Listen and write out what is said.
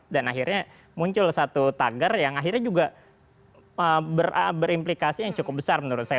dan akhirnya muncul satu tagar yang akhirnya juga berimplikasi yang cukup besar menurut saya